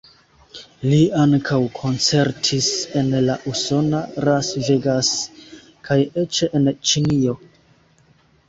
Li ankaŭ koncertis en la usona Las Vegas kaj eĉ en Ĉinio.